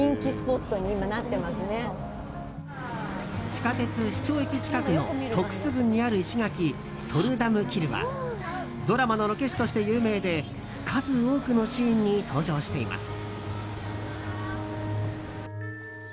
地下鉄市庁駅近くのトクスグンにある石垣トルダムキルはドラマのロケ地として有名で数多くのシーンに登場しています。